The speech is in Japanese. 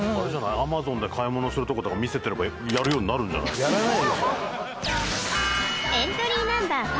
うんＡｍａｚｏｎで買い物するとことか見せてればやるようになるんじゃない？